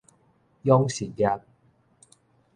養殖業